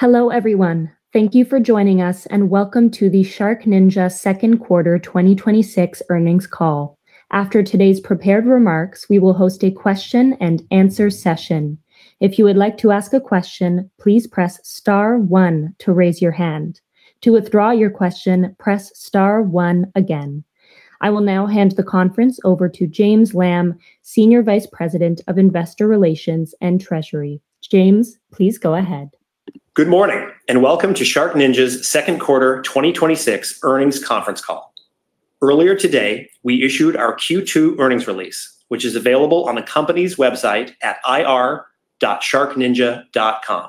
Hello, everyone. Thank you for joining us, and welcome to the SharkNinja Second Quarter 2026 Earnings Call. After today's prepared remarks, we will host a question and answer session. If you would like to ask a question, please press star one to raise your hand. To withdraw your question, press star one again. I will now hand the conference over to James Lamb, Senior Vice President of Investor Relations and Treasury. James, please go ahead. Good morning, welcome to SharkNinja's Second Quarter 2026 Earnings Conference Call. Earlier today, we issued our Q2 earnings release, which is available on the company's website at ir.sharkninja.com.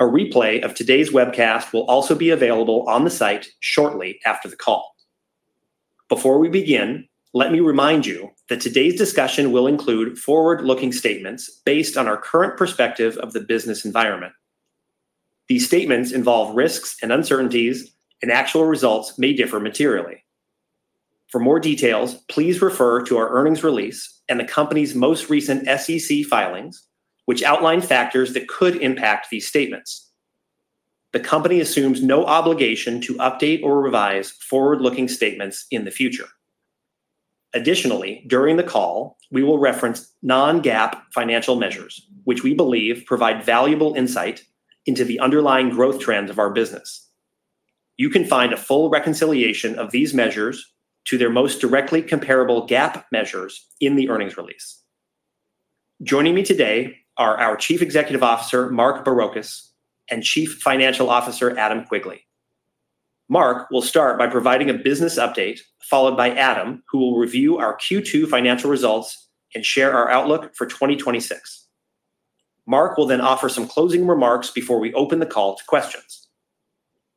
A replay of today's webcast will also be available on the site shortly after the call. Before we begin, let me remind you that today's discussion will include forward-looking statements based on our current perspective of the business environment. These statements involve risks and uncertainties, and actual results may differ materially. For more details, please refer to our earnings release and the company's most recent SEC filings, which outline factors that could impact these statements. The company assumes no obligation to update or revise forward-looking statements in the future. Additionally, during the call, we will reference non-GAAP financial measures, which we believe provide valuable insight into the underlying growth trends of our business. You can find a full reconciliation of these measures to their most directly comparable GAAP measures in the earnings release. Joining me today are our Chief Executive Officer, Mark Barrocas, and Chief Financial Officer, Adam Quigley. Mark will start by providing a business update, followed by Adam, who will review our Q2 financial results and share our outlook for 2026. Mark will then offer some closing remarks before we open the call to questions.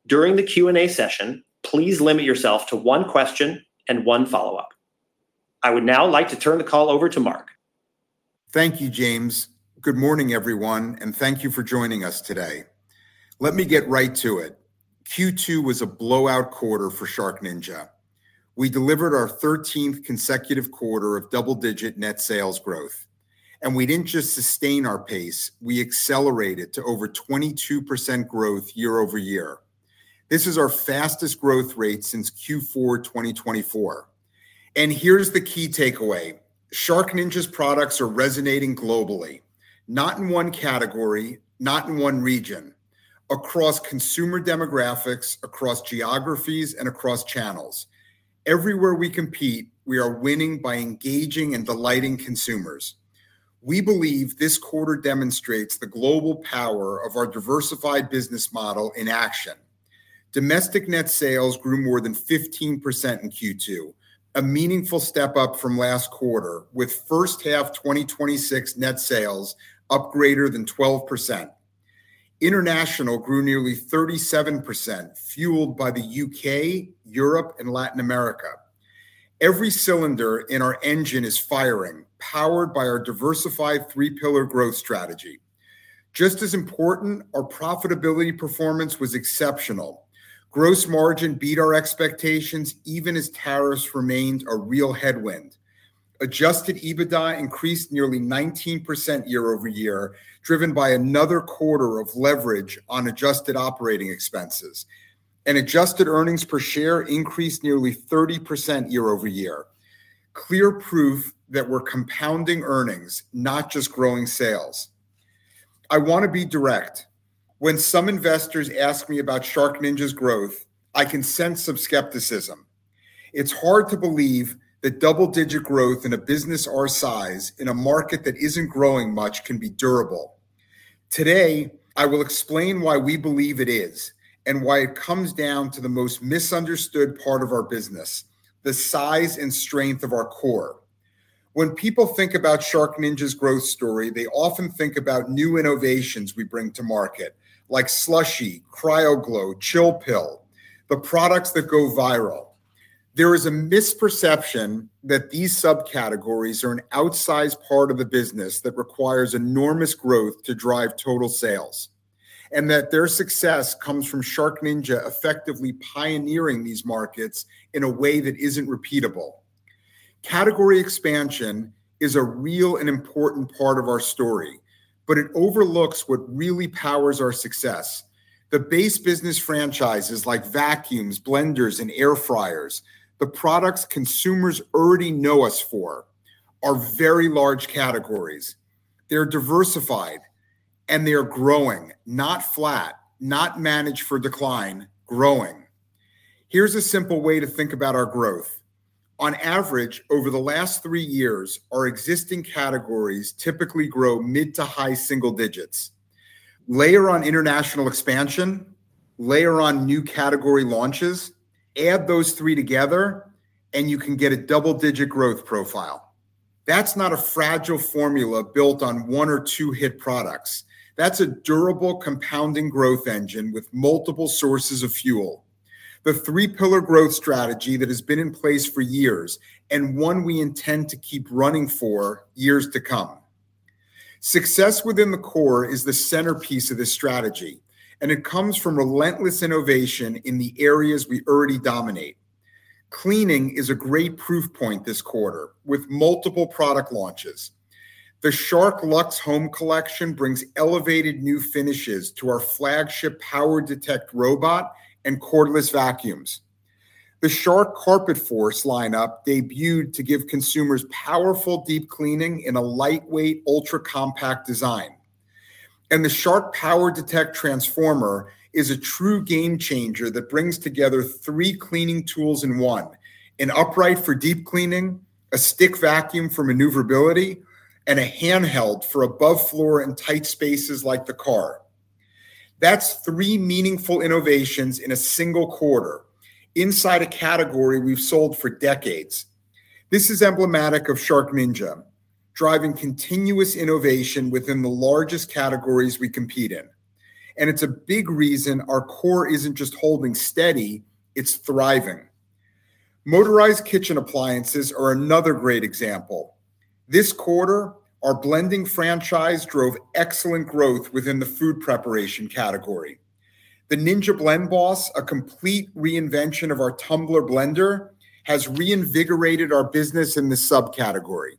During the Q&A session, please limit yourself to one question and one follow-up. I would now like to turn the call over to Mark. Thank you, James. Good morning, everyone, thank you for joining us today. Let me get right to it. Q2 was a blowout quarter for SharkNinja. We delivered our 13th consecutive quarter of double-digit net sales growth. We accelerated to over 22% growth year-over-year. This is our fastest growth rate since Q4 2024. Here's the key takeaway. SharkNinja's products are resonating globally, not in one category, not in one region. Across consumer demographics, across geographies, across channels. Everywhere we compete, we are winning by engaging and delighting consumers. We believe this quarter demonstrates the global power of our diversified business model in action. Domestic net sales grew more than 15% in Q2, a meaningful step-up from last quarter, with first half 2026 net sales up greater than 12%. International grew nearly 37%, fueled by the U.K., Europe, and Latin America. Every cylinder in our engine is firing, powered by our diversified three-pillar growth strategy. Just as important, our profitability performance was exceptional. Gross margin beat our expectations, even as tariffs remained a real headwind. Adjusted EBITDA increased nearly 19% year-over-year, driven by another quarter of leverage on adjusted operating expenses. Adjusted earnings per share increased nearly 30% year-over-year. Clear proof that we're compounding earnings, not just growing sales. I want to be direct. When some investors ask me about SharkNinja's growth, I can sense some skepticism. It's hard to believe that double-digit growth in a business our size in a market that isn't growing much can be durable. Today, I will explain why we believe it is. Why it comes down to the most misunderstood part of our business, the size and strength of our core. When people think about SharkNinja's growth story, they often think about new innovations we bring to market, like SLUSHi, CryoGlow, ChillPill, the products that go viral. There is a misperception that these subcategories are an outsized part of the business that requires enormous growth to drive total sales, and that their success comes from SharkNinja effectively pioneering these markets in a way that isn't repeatable. Category expansion is a real and important part of our story. It overlooks what really powers our success. The base business franchises like vacuums, blenders, and air fryers, the products consumers already know us for, are very large categories. They're diversified. They are growing, not flat, not managed for decline. Growing. Here's a simple way to think about our growth. On average, over the last three years, our existing categories typically grow mid-to-high single digits. Layer on international expansion, layer on new category launches, add those three together. You can get a double-digit growth profile. That's not a fragile formula built on one or two hit products. That's a durable compounding growth engine with multiple sources of fuel. The three-pillar growth strategy that has been in place for years. One we intend to keep running for years to come. Success within the core is the centerpiece of this strategy. It comes from relentless innovation in the areas we already dominate. Cleaning is a great proof point this quarter, with multiple product launches. The Shark Luxe Home Collection brings elevated new finishes to our flagship PowerDetect robot and cordless vacuums. The Shark CarpetForce lineup debuted to give consumers powerful deep cleaning in a lightweight, ultra-compact design. The Shark PowerDetect Transformer is a true game changer that brings together three cleaning tools in one: an upright for deep cleaning, a stick vacuum for maneuverability, and a handheld for above-floor and tight spaces like the car. That's three meaningful innovations in a single quarter inside a category we've sold for decades. This is emblematic of SharkNinja, driving continuous innovation within the largest categories we compete in. It's a big reason our core isn't just holding steady, it's thriving. Motorized kitchen appliances are another great example. This quarter, our blending franchise drove excellent growth within the food preparation category. The Ninja BlendBoss, a complete reinvention of our tumbler blender, has reinvigorated our business in this subcategory.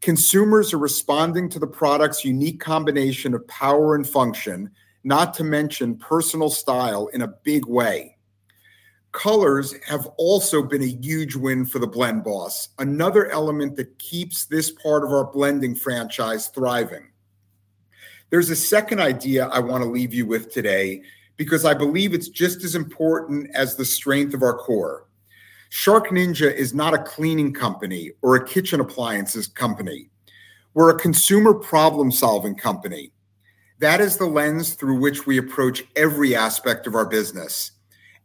Consumers are responding to the product's unique combination of power and function, not to mention personal style, in a big way. Colors have also been a huge win for the Ninja BlendBoss, another element that keeps this part of our blending franchise thriving. There's a second idea I want to leave you with today, because I believe it's just as important as the strength of our core. SharkNinja is not a cleaning company or a kitchen appliances company. We're a consumer problem-solving company. That is the lens through which we approach every aspect of our business,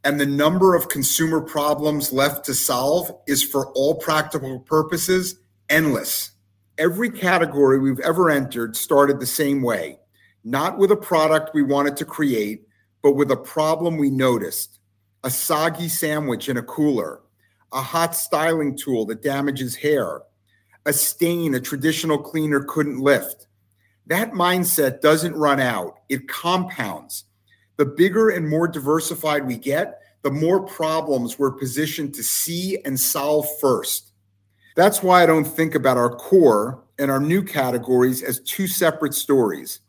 and the number of consumer problems left to solve is, for all practical purposes, endless. Every category we've ever entered started the same way. Not with a product we wanted to create, but with a problem we noticed. A soggy sandwich in a cooler, a hot styling tool that damages hair, a stain a traditional cleaner couldn't lift. That mindset doesn't run out. It compounds. The bigger and more diversified we get, the more problems we're positioned to see and solve first. That's why I don't think about our core and our new categories as two separate stories.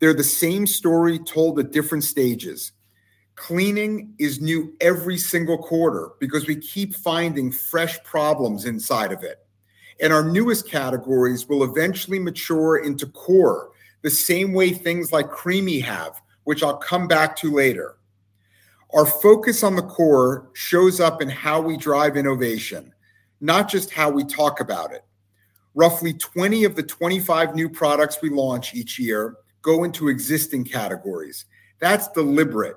They're the same story told at different stages. Cleaning is new every single quarter because we keep finding fresh problems inside of it, our newest categories will eventually mature into core, the same way things like Ninja CREAMi have, which I'll come back to later. Our focus on the core shows up in how we drive innovation, not just how we talk about it. Roughly 20 of the 25 new products we launch each year go into existing categories. That's deliberate.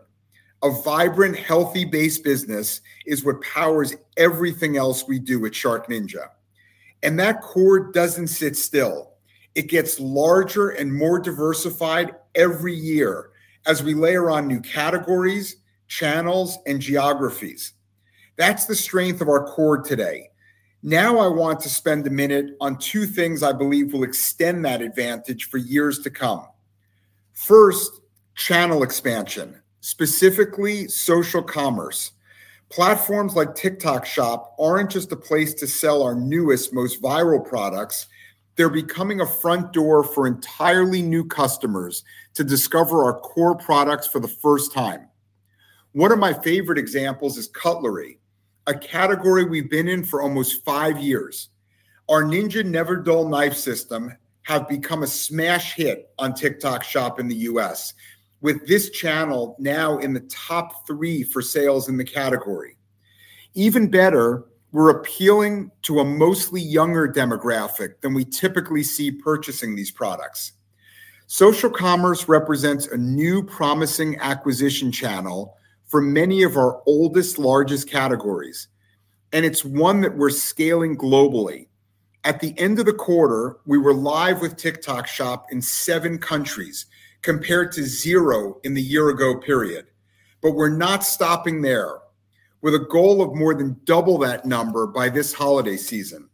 A vibrant, healthy base business is what powers everything else we do at SharkNinja. That core doesn't sit still. It gets larger and more diversified every year as we layer on new categories, channels, and geographies. That's the strength of our core today. I want to spend a minute on two things I believe will extend that advantage for years to come. First, channel expansion, specifically social commerce. Platforms like TikTok Shop aren't just a place to sell our newest, most viral products. They're becoming a front door for entirely new customers to discover our core products for the first time. One of my favorite examples is cutlery, a category we've been in for almost five years. Our Ninja NeverDull knife system have become a smash hit on TikTok Shop in the U.S., with this channel now in the top three for sales in the category. Even better, we're appealing to a mostly younger demographic than we typically see purchasing these products. Social commerce represents a new promising acquisition channel for many of our oldest, largest categories, and it's one that we're scaling globally. At the end of the quarter, we were live with TikTok Shop in seven countries, compared to zero in the year ago period. We're not stopping there. With a goal of more than double that number by this holiday season.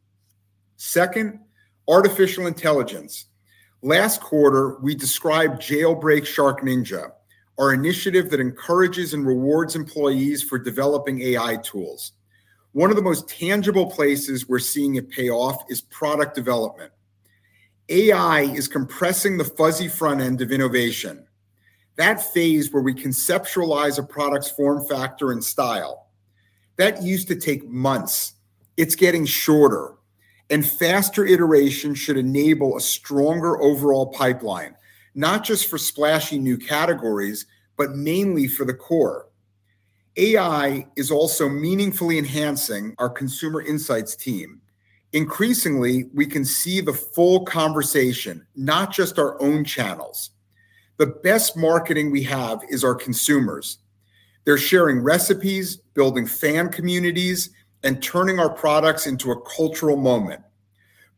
Second, artificial intelligence. Last quarter, we described Jailbreak SharkNinja, our initiative that encourages and rewards employees for developing AI tools. One of the most tangible places we're seeing it pay off is product development. AI is compressing the fuzzy front end of innovation. That phase where we conceptualize a product's form, factor, and style. That used to take months. It's getting shorter. Faster iteration should enable a stronger overall pipeline, not just for splashy new categories, but mainly for the core. AI is also meaningfully enhancing our consumer insights team. Increasingly, we can see the full conversation, not just our own channels. The best marketing we have is our consumers. They're sharing recipes, building fan communities, and turning our products into a cultural moment.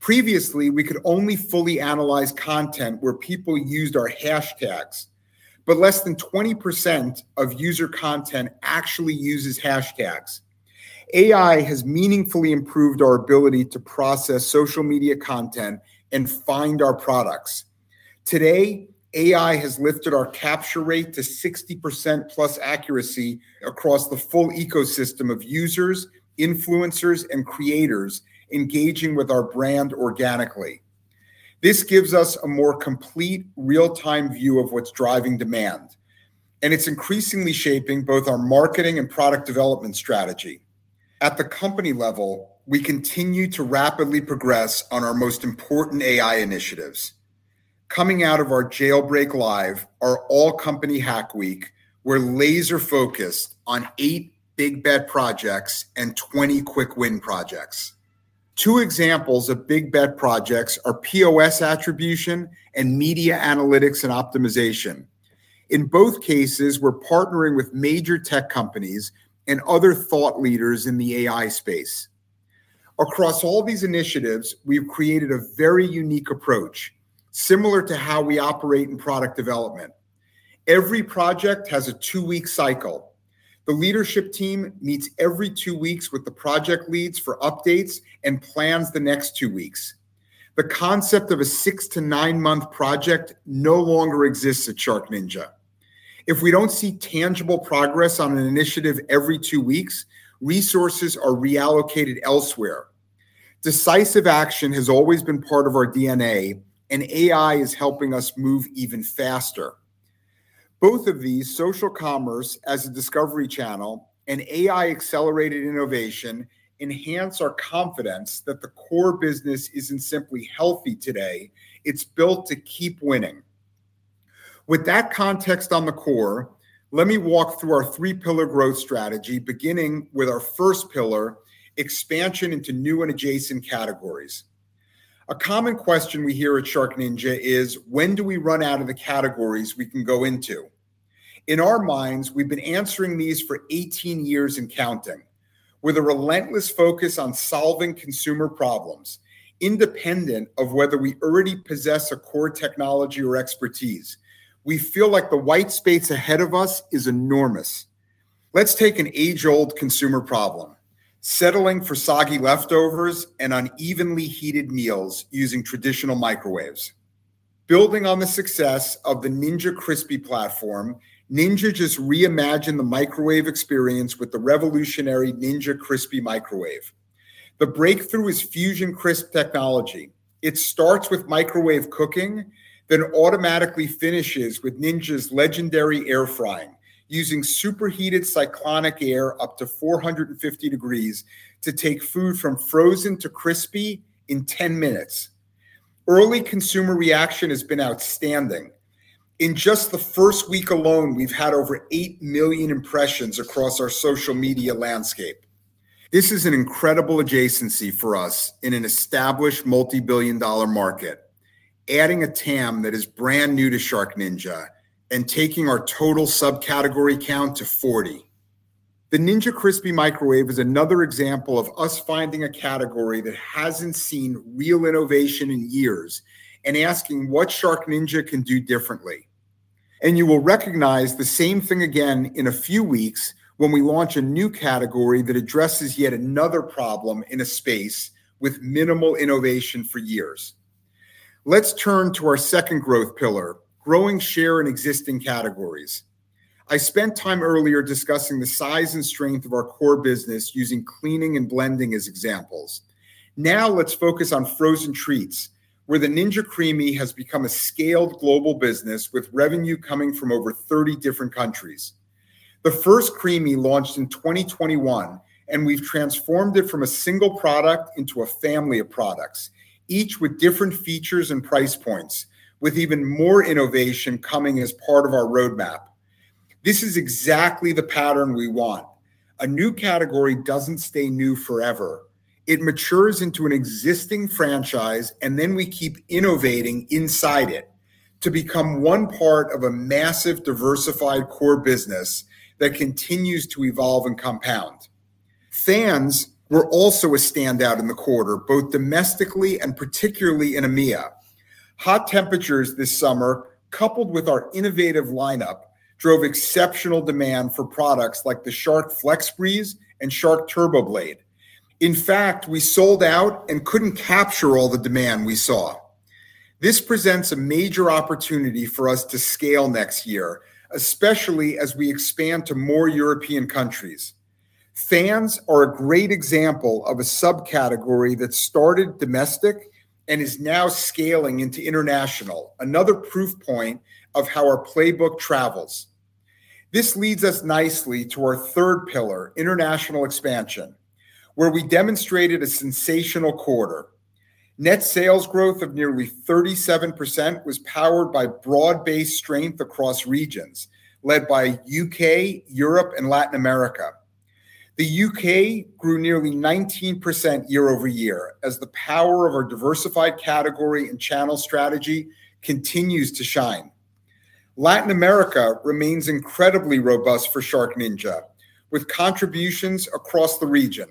Previously, we could only fully analyze content where people used our hashtags, but less than 20% of user content actually uses hashtags. AI has meaningfully improved our ability to process social media content and find our products. Today, AI has lifted our capture rate to 60%+ accuracy across the full ecosystem of users, influencers, and creators engaging with our brand organically. This gives us a more complete real-time view of what's driving demand, and it's increasingly shaping both our marketing and product development strategy. At the company level, we continue to rapidly progress on our most important AI initiatives. Coming out of our Jailbreak LIVE, our all company hack week, we're laser focused on eight big bet projects and 20 quick win projects. Two examples of big bet projects are POS attribution and media analytics and optimization. In both cases, we're partnering with major tech companies and other thought leaders in the AI space. Across all these initiatives, we've created a very unique approach, similar to how we operate in product development. Every project has a two-week cycle. The leadership team meets every two weeks with the project leads for updates and plans the next two weeks. The concept of a six to nine-month project no longer exists at SharkNinja. If we don't see tangible progress on an initiative every two weeks, resources are reallocated elsewhere. Decisive action has always been part of our DNA. AI is helping us move even faster. Both of these, social commerce as a discovery channel and AI accelerated innovation, enhance our confidence that the core business isn't simply healthy today, it's built to keep winning. With that context on the core, let me walk through our three pillar growth strategy, beginning with our first pillar, expansion into new and adjacent categories. A common question we hear at SharkNinja is when do we run out of the categories we can go into? In our minds, we've been answering these for 18 years and counting. With a relentless focus on solving consumer problems, independent of whether we already possess a core technology or expertise, we feel like the white space ahead of us is enormous. Let's take an age-old consumer problem, settling for soggy leftovers and unevenly heated meals using traditional microwaves. Building on the success of the Ninja Crispi platform, Ninja just reimagined the microwave experience with the revolutionary Ninja Crispi Microwave. The breakthrough is FusionCrisp technology. It starts with microwave cooking, then automatically finishes with Ninja's legendary air frying, using superheated cyclonic air up to 450 degrees to take food from frozen to crispy in 10 minutes. Early consumer reaction has been outstanding. In just the first week alone, we've had over eight million impressions across our social media landscape. This is an incredible adjacency for us in an established multi-billion dollar market, adding a TAM that is brand new to SharkNinja and taking our total subcategory count to 40. The Ninja Crispi Microwave is another example of us finding a category that hasn't seen real innovation in years and asking what SharkNinja can do differently. You will recognize the same thing again in a few weeks when we launch a new category that addresses yet another problem in a space with minimal innovation for years. Let's turn to our second growth pillar, growing share in existing categories. I spent time earlier discussing the size and strength of our core business using cleaning and blending as examples. Now let's focus on frozen treats, where the Ninja CREAMi has become a scaled global business with revenue coming from over 30 different countries. The first CREAMi launched in 2021, and we've transformed it from a single product into a family of products, each with different features and price points, with even more innovation coming as part of our roadmap. This is exactly the pattern we want. A new category doesn't stay new forever. It matures into an existing franchise. Then we keep innovating inside it to become one part of a massive, diversified core business that continues to evolve and compound. Fans were also a standout in the quarter, both domestically and particularly in EMEA. Hot temperatures this summer, coupled with our innovative lineup, drove exceptional demand for products like the Shark FlexBreeze and Shark TurboBlade. In fact, we sold out and couldn't capture all the demand we saw. This presents a major opportunity for us to scale next year, especially as we expand to more European countries. Fans are a great example of a subcategory that started domestic and is now scaling into international, another proof point of how our playbook travels. This leads us nicely to our third pillar, international expansion, where we demonstrated a sensational quarter. Net sales growth of nearly 37% was powered by broad-based strength across regions, led by U.K., Europe, and Latin America. The U.K. grew nearly 19% year-over-year as the power of our diversified category and channel strategy continues to shine. Latin America remains incredibly robust for SharkNinja, with contributions across the region.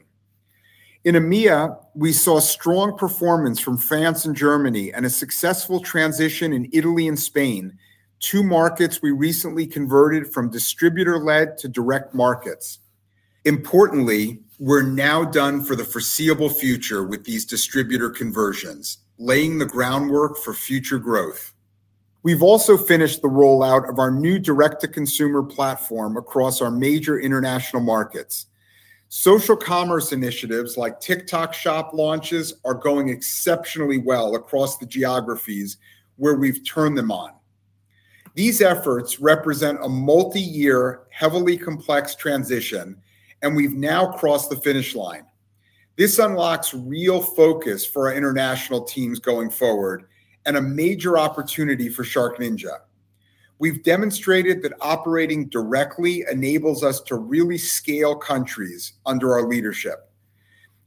In EMEA, we saw strong performance from France and Germany, and a successful transition in Italy and Spain, two markets we recently converted from distributor led to direct markets. Importantly, we're now done for the foreseeable future with these distributor conversions, laying the groundwork for future growth. We've also finished the rollout of our new direct-to-consumer platform across our major international markets. Social commerce initiatives like TikTok Shop launches are going exceptionally well across the geographies where we've turned them on. These efforts represent a multi-year, heavily complex transition. We've now crossed the finish line. This unlocks real focus for our international teams going forward and a major opportunity for SharkNinja. We've demonstrated that operating directly enables us to really scale countries under our leadership.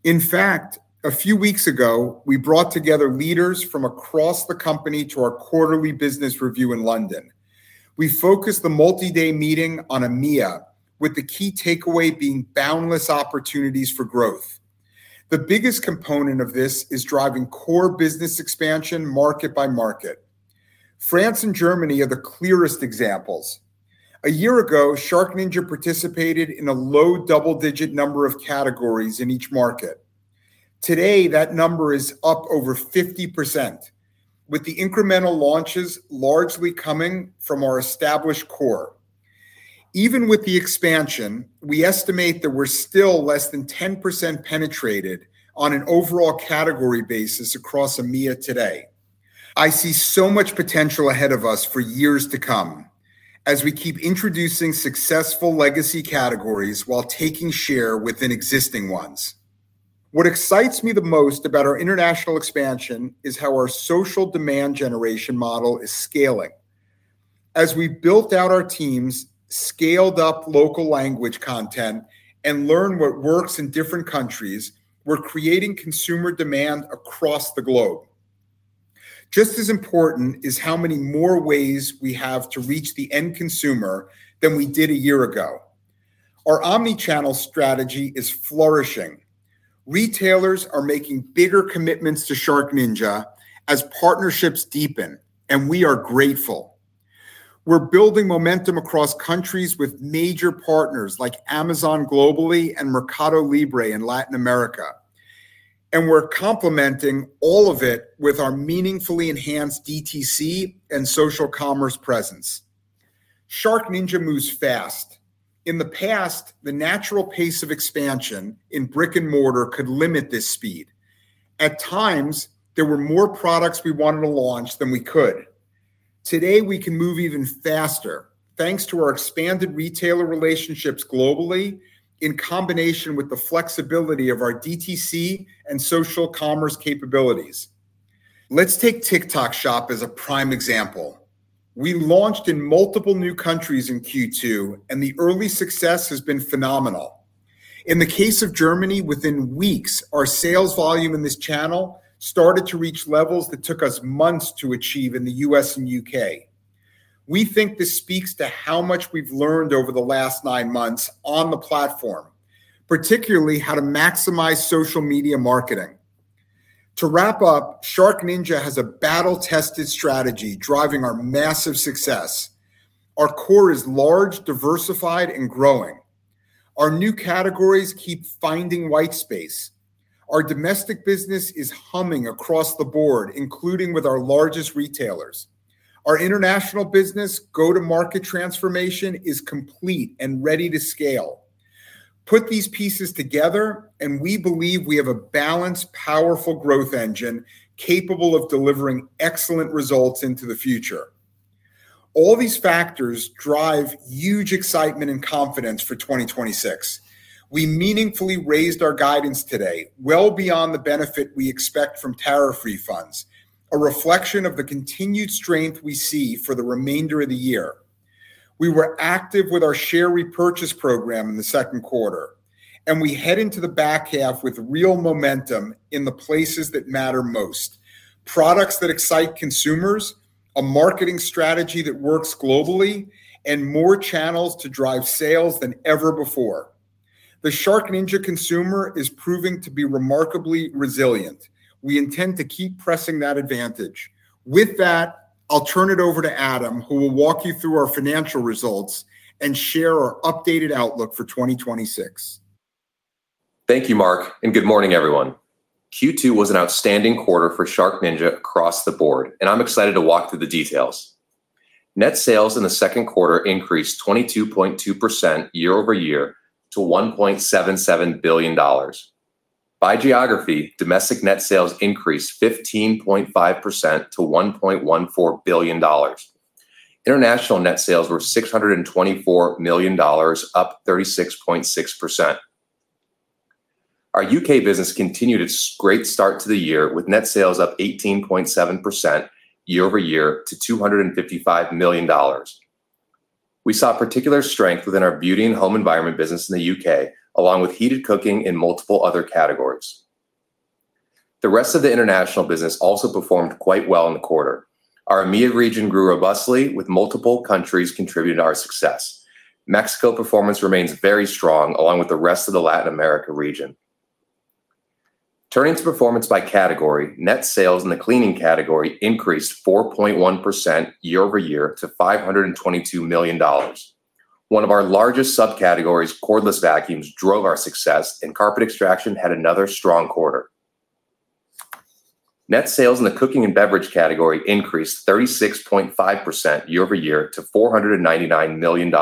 In fact, a few weeks ago, we brought together leaders from across the company to our quarterly business review in London. We focused the multi-day meeting on EMEA, with the key takeaway being boundless opportunities for growth. The biggest component of this is driving core business expansion market by market. France and Germany are the clearest examples. A year ago, SharkNinja participated in a low double-digit number of categories in each market. Today, that number is up over 50%, with the incremental launches largely coming from our established core. Even with the expansion, we estimate that we're still less than 10% penetrated on an overall category basis across EMEA today. I see so much potential ahead of us for years to come as we keep introducing successful legacy categories while taking share within existing ones. What excites me the most about our international expansion is how our social demand generation model is scaling. As we've built out our teams, scaled up local language content, and learned what works in different countries, we're creating consumer demand across the globe. Just as important is how many more ways we have to reach the end consumer than we did a year ago. Our omni-channel strategy is flourishing. Retailers are making bigger commitments to SharkNinja as partnerships deepen, and we are grateful. We're building momentum across countries with major partners like Amazon globally and Mercado Libre in Latin America, and we're complementing all of it with our meaningfully enhanced DTC and social commerce presence. SharkNinja moves fast. In the past, the natural pace of expansion in brick-and-mortar could limit this speed. At times, there were more products we wanted to launch than we could. Today, we can move even faster thanks to our expanded retailer relationships globally in combination with the flexibility of our DTC and social commerce capabilities. Let's take TikTok Shop as a prime example. We launched in multiple new countries in Q2, and the early success has been phenomenal. In the case of Germany, within weeks, our sales volume in this channel started to reach levels that took us months to achieve in the U.S. and U.K. We think this speaks to how much we've learned over the last nine months on the platform, particularly how to maximize social media marketing. To wrap up, SharkNinja has a battle-tested strategy driving our massive success. Our core is large, diversified, and growing. Our new categories keep finding white space. Our domestic business is humming across the board, including with our largest retailers. Our international business go-to-market transformation is complete and ready to scale. Put these pieces together, and we believe we have a balanced, powerful growth engine capable of delivering excellent results into the future. All these factors drive huge excitement and confidence for 2026. We meaningfully raised our guidance today, well beyond the benefit we expect from tariff refunds, a reflection of the continued strength we see for the remainder of the year. We were active with our share repurchase program in the second quarter, and we head into the back half with real momentum in the places that matter most. Products that excite consumers, a marketing strategy that works globally, and more channels to drive sales than ever before. The SharkNinja consumer is proving to be remarkably resilient. We intend to keep pressing that advantage. With that, I'll turn it over to Adam, who will walk you through our financial results and share our updated outlook for 2026. Thank you, Mark, and good morning, everyone. Q2 was an outstanding quarter for SharkNinja across the board, and I'm excited to walk through the details. Net sales in the second quarter increased 22.2% year-over-year to $1.77 billion. By geography, domestic net sales increased 15.5% to $1.14 billion. International net sales were $624 million, up 36.6%. Our U.K. business continued its great start to the year with net sales up 18.7% year-over-year to $255 million. We saw particular strength within our beauty and home environment business in the U.K., along with heated cooking and multiple other categories. The rest of the international business also performed quite well in the quarter. Our EMEA region grew robustly with multiple countries contributing to our success. Mexico performance remains very strong, along with the rest of the Latin America region. Turning to performance by category, net sales in the cleaning category increased 4.1% year-over-year to $522 million. One of our largest subcategories, cordless vacuums, drove our success, and carpet extraction had another strong quarter. Net sales in the cooking and beverage category increased 36.5% year-over-year to $499 million.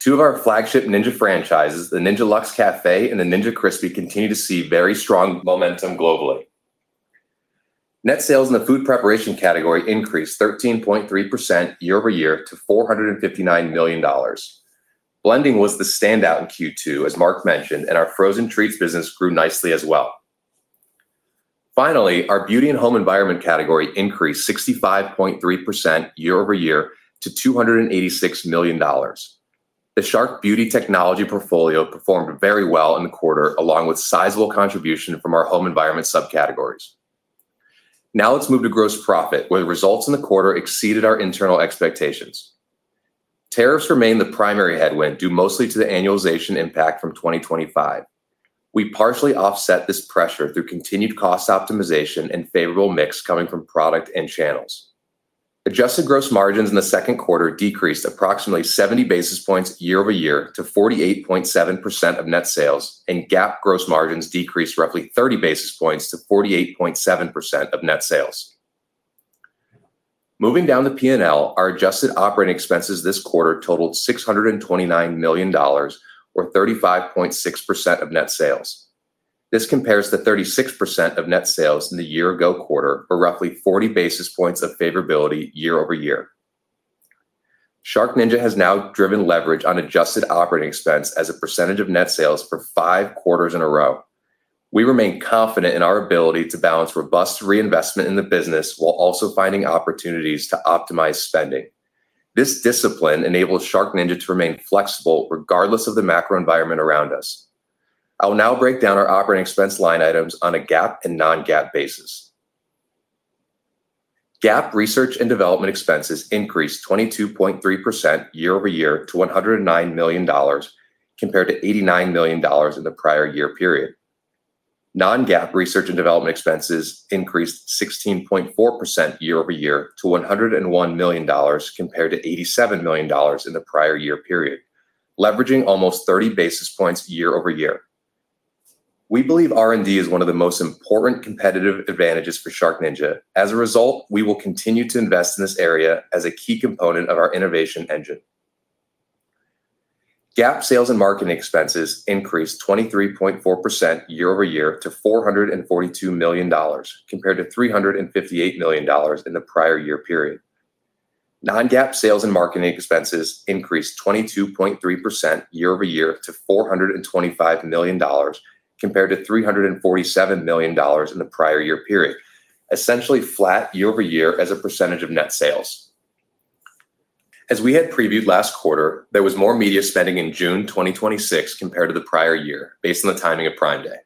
Two of our flagship Ninja franchises, the Ninja Luxe Café and the Ninja Crispi, continue to see very strong momentum globally. Net sales in the food preparation category increased 13.3% year-over-year to $459 million. Blending was the standout in Q2, as Mark mentioned, and our frozen treats business grew nicely as well. Finally, our beauty and home environment category increased 65.3% year-over-year to $286 million. The Shark beauty technology portfolio performed very well in the quarter, along with sizable contribution from our home environment subcategories. Now let's move to gross profit, where the results in the quarter exceeded our internal expectations. Tariffs remain the primary headwind, due mostly to the annualization impact from 2025. We partially offset this pressure through continued cost optimization and favorable mix coming from product and channels. Adjusted gross margins in the second quarter decreased approximately 70 basis points year-over-year to 48.7% of net sales, and GAAP gross margins decreased roughly 30 basis points to 48.7% of net sales. Moving down the P&L, our adjusted operating expenses this quarter totaled $629 million, or 35.6% of net sales. This compares to 36% of net sales in the year ago quarter, or roughly 40 basis points of favorability year-over-year. SharkNinja has now driven leverage on adjusted operating expense as a percentage of net sales for five quarters in a row. We remain confident in our ability to balance robust reinvestment in the business while also finding opportunities to optimize spending. This discipline enables SharkNinja to remain flexible regardless of the macro environment around us. I will now break down our operating expense line items on a GAAP and non-GAAP basis. GAAP research and development expenses increased 22.3% year-over-year to $109 million, compared to $89 million in the prior year period. Non-GAAP research and development expenses increased 16.4% year-over-year to $101 million, compared to $87 million in the prior year period, leveraging almost 30 basis points year-over-year. We believe R&D is one of the most important competitive advantages for SharkNinja. As a result, we will continue to invest in this area as a key component of our innovation engine. GAAP sales and marketing expenses increased 23.4% year-over-year to $442 million, compared to $358 million in the prior year period. Non-GAAP sales and marketing expenses increased 22.3% year-over-year to $425 million, compared to $347 million in the prior year period, essentially flat year-over-year as a percentage of net sales. As we had previewed last quarter, there was more media spending in June 2026 compared to the prior year, based on the timing of Prime Day.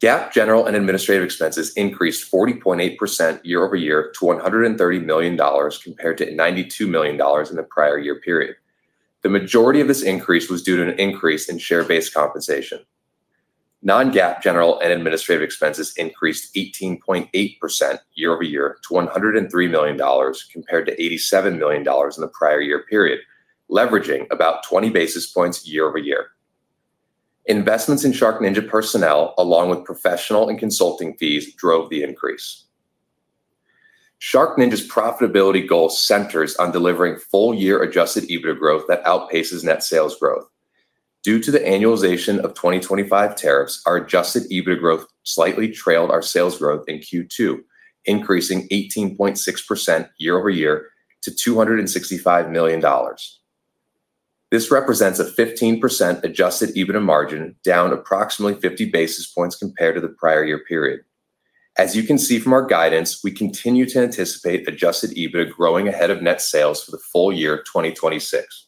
GAAP general and administrative expenses increased 40.8% year-over-year to $130 million, compared to $92 million in the prior year period. The majority of this increase was due to an increase in share-based compensation. Non-GAAP general and administrative expenses increased 18.8% year-over-year to $103 million, compared to $87 million in the prior year period, leveraging about 20 basis points year-over-year. Investments in SharkNinja personnel, along with professional and consulting fees, drove the increase. SharkNinja's profitability goal centers on delivering full year adjusted EBITDA growth that outpaces net sales growth. Due to the annualization of 2025 tariffs, our adjusted EBITDA growth slightly trailed our sales growth in Q2, increasing 18.6% year-over-year to $265 million. This represents a 15% adjusted EBITDA margin, down approximately 50 basis points compared to the prior year period. As you can see from our guidance, we continue to anticipate adjusted EBITDA growing ahead of net sales for the full year of 2026.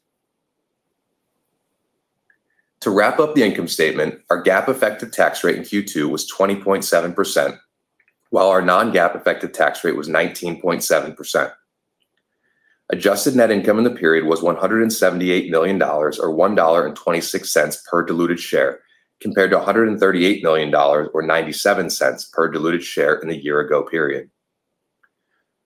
To wrap up the income statement, our GAAP effective tax rate in Q2 was 20.7%, while our non-GAAP effective tax rate was 19.7%. Adjusted net income in the period was $178 million, or $1.26 per diluted share, compared to $138 million, or $0.97 per diluted share in the year ago period.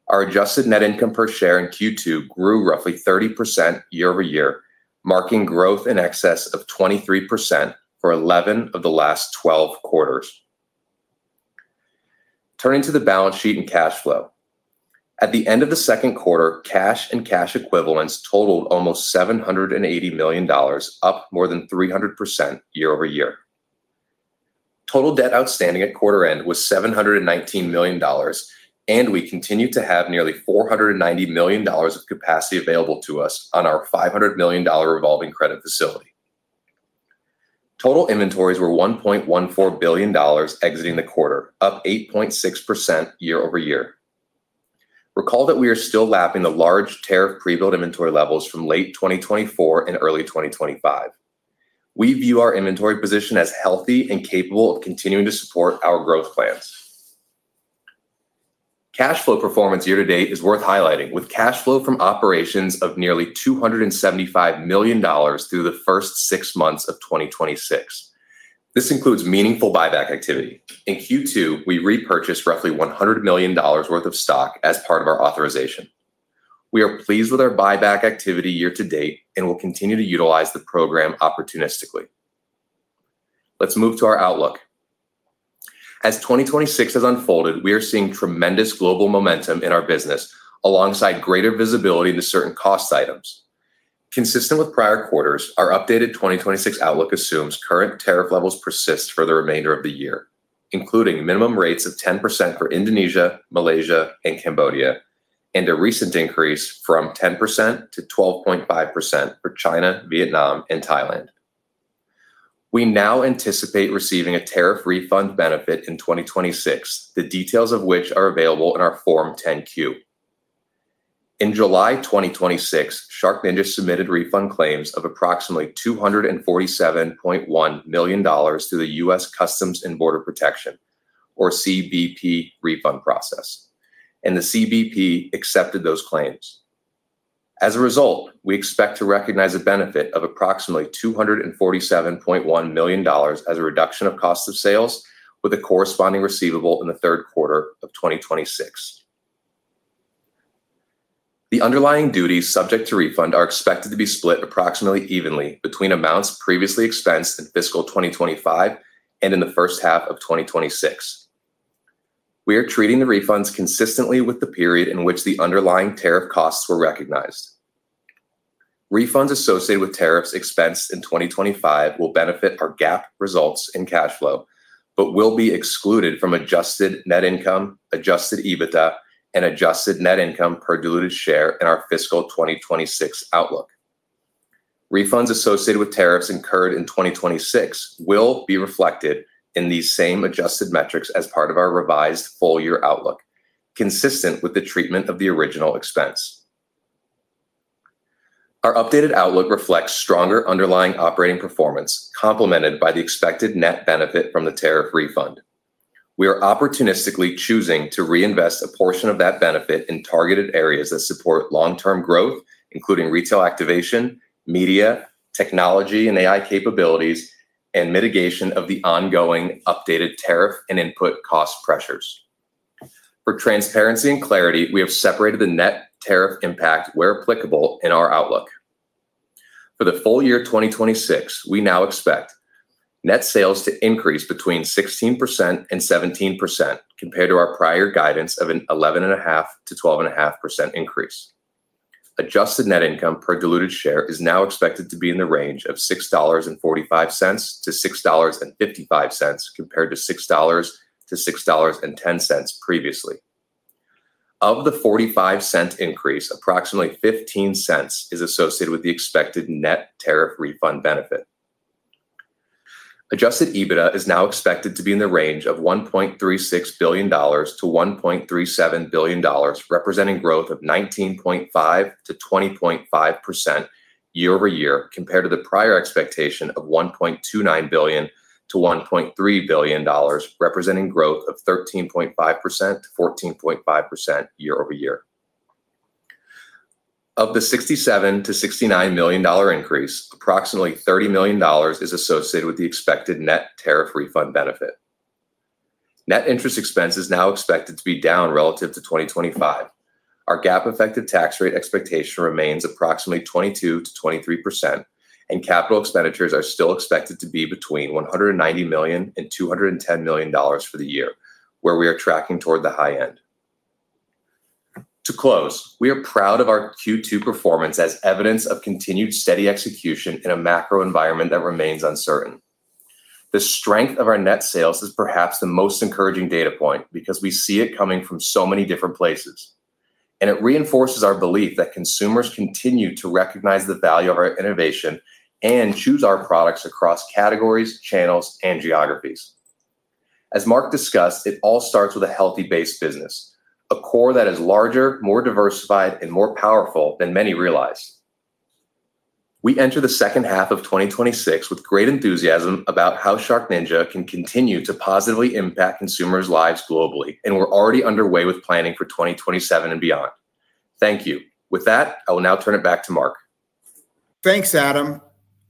Our adjusted net income per share in Q2 grew roughly 30% year-over-year, marking growth in excess of 23% for 11 of the last 12 quarters. Turning to the balance sheet and cash flow. At the end of the second quarter, cash and cash equivalents totaled almost $780 million, up more than 300% year-over-year. Total debt outstanding at quarter end was $719 million, and we continue to have nearly $490 million of capacity available to us on our $500 million revolving credit facility. Total inventories were $1.14 billion exiting the quarter, up 8.6% year-over-year. Recall that we are still lapping the large tariff pre-build inventory levels from late 2024 and early 2025. We view our inventory position as healthy and capable of continuing to support our growth plans. Cash flow performance year to date is worth highlighting, with cash flow from operations of nearly $275 million through the first six months of 2026. This includes meaningful buyback activity. In Q2, we repurchased roughly $100 million worth of stock as part of our authorization. We are pleased with our buyback activity year to date and will continue to utilize the program opportunistically. Let's move to our outlook. As 2026 has unfolded, we are seeing tremendous global momentum in our business, alongside greater visibility into certain cost items. Consistent with prior quarters, our updated 2026 outlook assumes current tariff levels persist for the remainder of the year, including minimum rates of 10% for Indonesia, Malaysia, and Cambodia, and a recent increase from 10% to 12.5% for China, Vietnam, and Thailand. We now anticipate receiving a tariff refund benefit in 2026, the details of which are available in our Form 10-Q. In July 2026, SharkNinja submitted refund claims of approximately $247.1 million to the U.S. Customs and Border Protection, or CBP refund process, and the CBP accepted those claims. As a result, we expect to recognize a benefit of approximately $247.1 million as a reduction of cost of sales with a corresponding receivable in the third quarter of 2026. The underlying duties subject to refund are expected to be split approximately evenly between amounts previously expensed in fiscal 2025 and in the first half of 2026. We are treating the refunds consistently with the period in which the underlying tariff costs were recognized. Refunds associated with tariffs expensed in 2025 will benefit our GAAP results in cash flow, but will be excluded from adjusted net income, adjusted EBITDA, and adjusted net income per diluted share in our fiscal 2026 outlook. Refunds associated with tariffs incurred in 2026 will be reflected in these same adjusted metrics as part of our revised full-year outlook, consistent with the treatment of the original expense. Our updated outlook reflects stronger underlying operating performance, complemented by the expected net benefit from the tariff refund. We are opportunistically choosing to reinvest a portion of that benefit in targeted areas that support long-term growth, including retail activation, media, technology and AI capabilities, and mitigation of the ongoing updated tariff and input cost pressures. For transparency and clarity, we have separated the net tariff impact, where applicable, in our outlook. For the full year 2026, we now expect net sales to increase between 16% and 17%, compared to our prior guidance of an 11.5%-12.5% increase. Adjusted net income per diluted share is now expected to be in the range of $6.45-$6.55, compared to $6-$6.10 previously. Of the $0.45 increase, approximately $0.15 is associated with the expected net tariff refund benefit. Adjusted EBITDA is now expected to be in the range of $1.36 billion-$1.37 billion, representing growth of 19.5%-20.5% year-over-year, compared to the prior expectation of $1.29 billion-$1.3 billion, representing growth of 13.5%-14.5% year-over-year. Of the $67 million-$69 million increase, approximately $30 million is associated with the expected net tariff refund benefit. Net interest expense is now expected to be down relative to 2025. Our GAAP effective tax rate expectation remains approximately 22%-23%. Capital expenditures are still expected to be between $190 million and $210 million for the year, where we are tracking toward the high end. To close, we are proud of our Q2 performance as evidence of continued steady execution in a macro environment that remains uncertain. The strength of our net sales is perhaps the most encouraging data point, because we see it coming from so many different places, and it reinforces our belief that consumers continue to recognize the value of our innovation and choose our products across categories, channels, and geographies. As Mark discussed, it all starts with a healthy base business, a core that is larger, more diversified, and more powerful than many realize. We enter the second half of 2026 with great enthusiasm about how SharkNinja can continue to positively impact consumers' lives globally, and we're already underway with planning for 2027 and beyond. Thank you. With that, I will now turn it back to Mark. Thanks, Adam.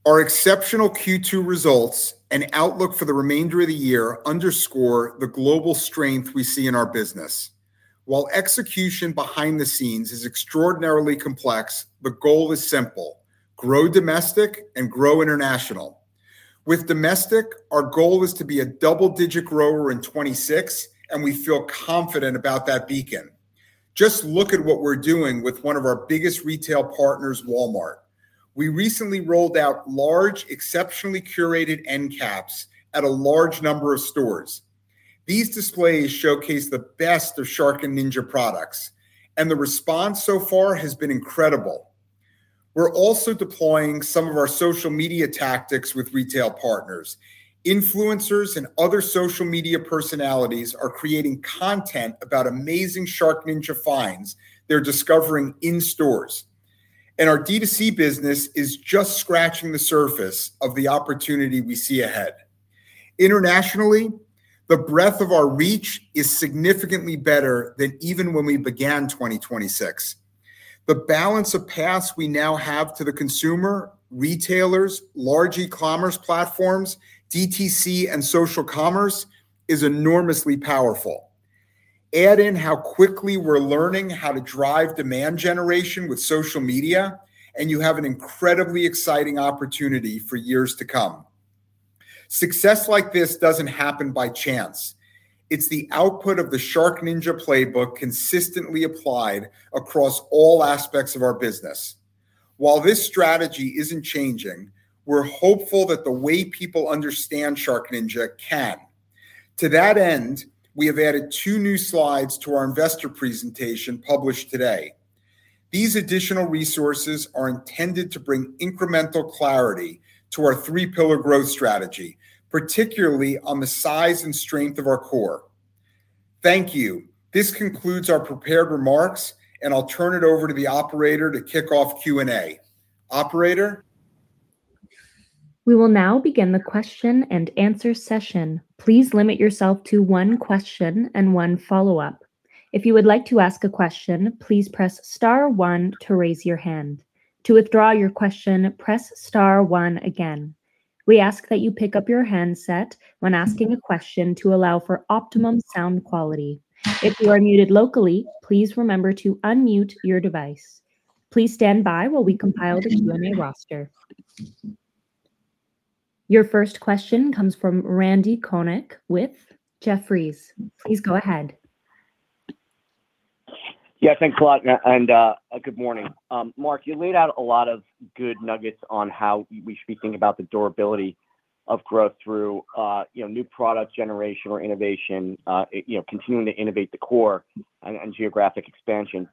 Our exceptional Q2 results and outlook for the remainder of the year underscore the global strength we see in our business. While execution behind the scenes is extraordinarily complex, the goal is simple: grow domestic and grow international. With domestic, our goal is to be a double-digit grower in 2026, and we feel confident about that beacon. Just look at what we're doing with one of our biggest retail partners, Walmart. We recently rolled out large, exceptionally curated end caps at a large number of stores. These displays showcase the best of Shark and Ninja products, and the response so far has been incredible. We're also deploying some of our social media tactics with retail partners. Influencers and other social media personalities are creating content about amazing SharkNinja finds they're discovering in stores. Our D2C business is just scratching the surface of the opportunity we see ahead. Internationally, the breadth of our reach is significantly better than even when we began 2026. The balance of paths we now have to the consumer, retailers, large e-commerce platforms, DTC, and social commerce is enormously powerful. Add in how quickly we're learning how to drive demand generation with social media, and you have an incredibly exciting opportunity for years to come. Success like this doesn't happen by chance. It's the output of the SharkNinja playbook consistently applied across all aspects of our business. While this strategy isn't changing, we're hopeful that the way people understand SharkNinja can. To that end, we have added two new slides to our investor presentation published today. These additional resources are intended to bring incremental clarity to our three pillar growth strategy, particularly on the size and strength of our core. Thank you. This concludes our prepared remarks, and I'll turn it over to the operator to kick off Q&A. Operator? We will now begin the question and answer session. Please limit yourself to one question and one follow-up. If you would like to ask a question, please press star one to raise your hand. To withdraw your question, press star one again. We ask that you pick up your handset when asking a question to allow for optimum sound quality. If you are muted locally, please remember to unmute your device. Please stand by while we compile the Q&A roster. Your first question comes from Randal Konik with Jefferies. Please go ahead. Yeah, thanks a lot and good morning. Mark, you laid out a lot of good nuggets on how we should be thinking about the durability of growth through new product generation or innovation, continuing to innovate the core and geographic expansion.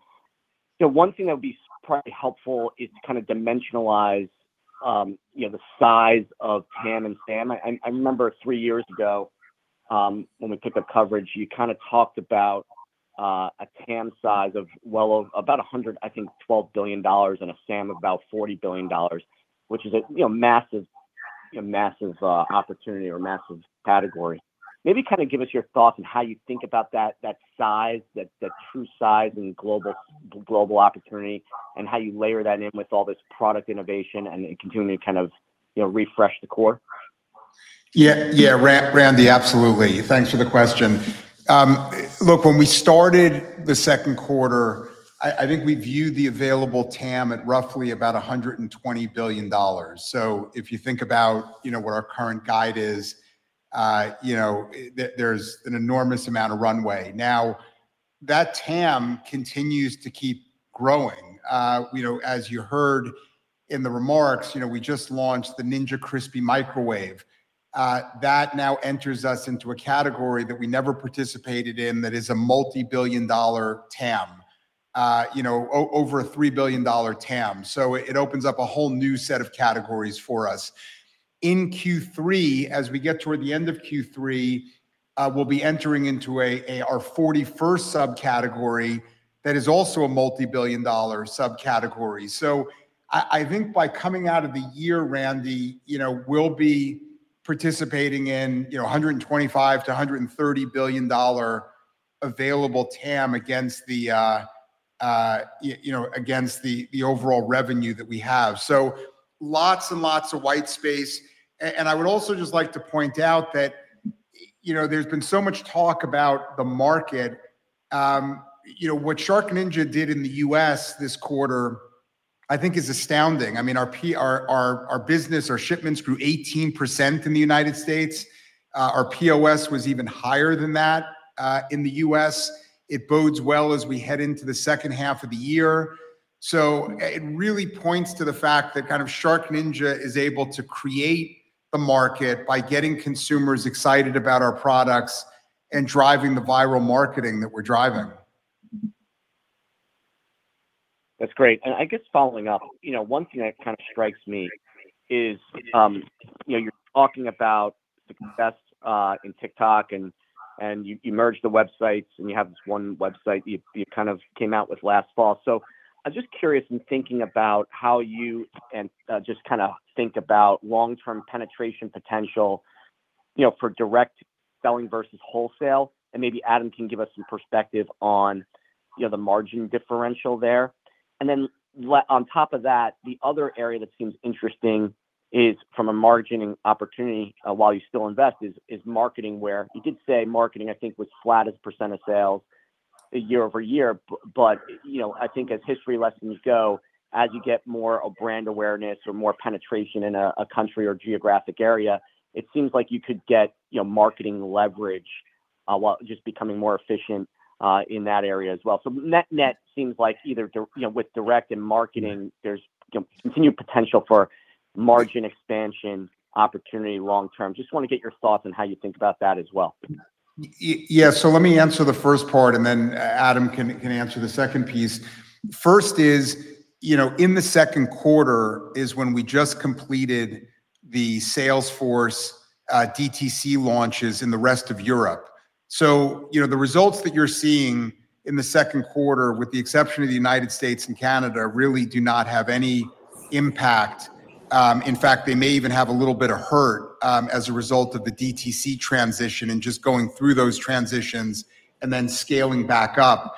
One thing that would be probably helpful is to kind of dimensionalize the size of TAM and SAM. I remember three years ago, when we took up coverage, you kind of talked about a TAM size of well over about $100, I think, $12 billion and a SAM about $40 billion, which is a massive opportunity or massive category. Maybe kind of give us your thoughts on how you think about that size, that true size and global opportunity, and how you layer that in with all this product innovation and continuing to kind of refresh the core. Yeah, Randal, absolutely. Thanks for the question. Look, when we started the second quarter, I think we viewed the available TAM at roughly about $120 billion. Now, that TAM continues to keep growing. As you heard in the remarks, we just launched the Ninja Crispi Microwave. That now enters us into a category that we never participated in that is a multi-billion dollar TAM. Over a $3 billion TAM. It opens up a whole new set of categories for us. In Q3, as we get toward the end of Q3, we'll be entering into our 41st subcategory that is also a multi-billion dollar subcategory. I think by coming out of the year, Randal, we'll be participating in $125 billion-$130 billion available TAM against the overall revenue that we have. Lots and lots of white space. I would also just like to point out that there's been so much talk about the market. What SharkNinja did in the U.S. this quarter, I think is astounding. Our business, our shipments grew 18% in the United States. Our POS was even higher than that in the U.S. It bodes well as we head into the second half of the year. It really points to the fact that SharkNinja is able to create the market by getting consumers excited about our products and driving the viral marketing that we're driving. That is great. I guess following up, one thing that kind of strikes me is you are talking about the success in TikTok and you merged the websites and you have this one website that you kind of came out with last fall. I was just curious in thinking about how you just kind of think about long-term penetration potential, for direct selling versus wholesale, and maybe Adam can give us some perspective on the margin differential there. On top of that, the other area that seems interesting is from a margining opportunity while you still invest is marketing where you did say marketing I think was flattest percent of sales year-over-year. I think as history lessons go, as you get more brand awareness or more penetration in a country or geographic area, it seems like you could get marketing leverage while just becoming more efficient in that area as well. Net net seems like either with direct and marketing, there is continued potential for margin expansion opportunity long term. I just want to get your thoughts on how you think about that as well. Yeah. Let me answer the first part and then Adam can answer the second piece. First is, in the second quarter is when we just completed the Salesforce DTC launches in the rest of Europe. The results that you are seeing in the second quarter, with the exception of the United States and Canada, really do not have any impact. In fact, they may even have a little bit of hurt as a result of the DTC transition and just going through those transitions and then scaling back up.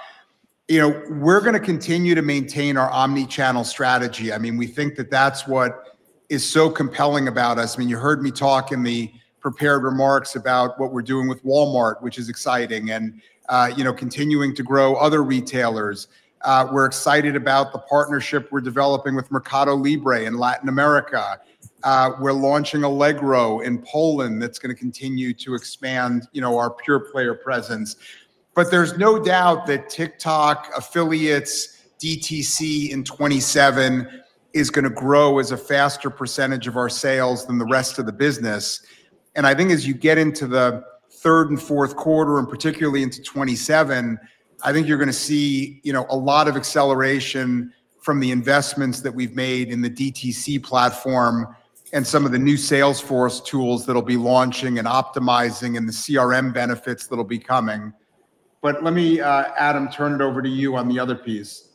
We are going to continue to maintain our omni-channel strategy. We think that that is what is so compelling about us. You heard me talk in the prepared remarks about what we are doing with Walmart, which is exciting, and continuing to grow other retailers. We are excited about the partnership we are developing with Mercado Libre in Latin America. We are launching Allegro in Poland. That is going to continue to expand our pure player presence. There is no doubt that TikTok affiliates DTC in 2027 is going to grow as a faster percentage of our sales than the rest of the business. I think as you get into the third and fourth quarter, and particularly into 2027, I think you are going to see a lot of acceleration from the investments that we have made in the DTC platform and some of the new Salesforce tools that will be launching and optimizing and the CRM benefits that will be coming. Let me, Adam, turn it over to you on the other piece.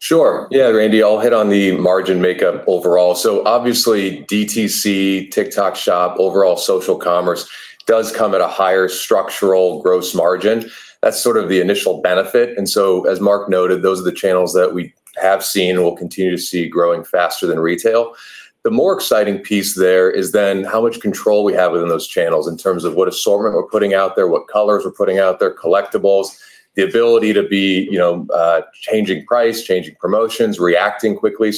Sure. Yeah, Randal, I'll hit on the margin makeup overall. Obviously, DTC, TikTok Shop, overall social commerce does come at a higher structural gross margin. That's sort of the initial benefit. As Mark noted, those are the channels that we have seen and will continue to see growing faster than retail. The more exciting piece there is then how much control we have within those channels in terms of what assortment we're putting out there, what colors we're putting out there, collectibles. The ability to be changing price, changing promotions, reacting quickly.